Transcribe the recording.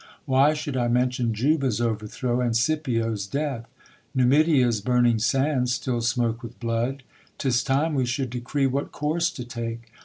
Why should I mention Juba's overthrow, And Scipio's death? Numidia's burning sands Still smoke with blood. 'Tis time we should decree What course to take.